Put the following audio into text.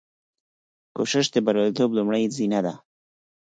کوشش د بریالیتوب لومړۍ زینه ده.